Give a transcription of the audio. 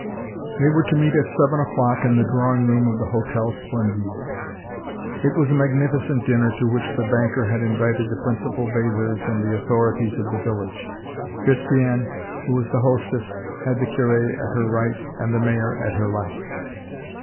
They were to meet at seven o'clock in the drawing room of the Hotel Splendid. It was a magnificent dinner to which the banker had invited the principal bathers and the authorities of the village. Christiane, who was the hostess, had the curé at her right, and the mayor at her left.